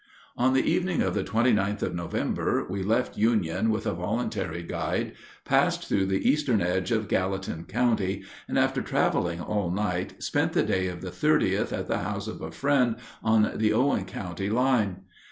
[Illustration: OVER THE PRISON WALL.] On the evening of the 29th of November we left Union with a voluntary guide, passed through the eastern edge of Gallatin County, and after traveling all night spent the day of the 30th at the house of a friend on the Owen County line.